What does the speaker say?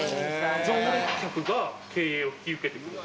常連客が経営を引き受けてくれた？